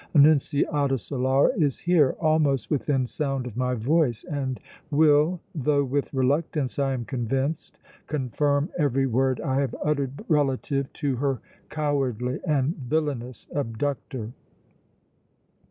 Annunziata Solara is here, almost within sound of my voice, and will, though with reluctance I am convinced, confirm every word I have uttered relative to her cowardly and villainous abductor!"